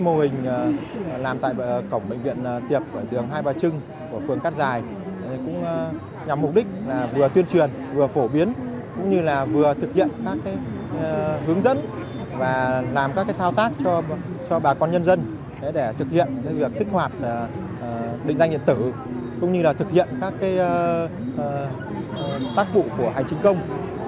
mô hình làm tại cổng bệnh viện tiệp đường hai bà trưng phường cát giải nhằm mục đích vừa tuyên truyền vừa phổ biến cũng như vừa thực hiện các hướng dẫn và làm các thao tác cho bà con nhân dân để thực hiện kết hoạt định danh điện tử cũng như thực hiện các tác vụ của hành chính công